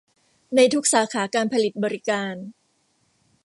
ในทุกสาขาการผลิตบริการ